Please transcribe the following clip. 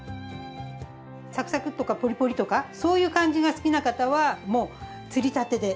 サクサクッとかポリポリとかそういう感じが好きな方はもう釣りたてで。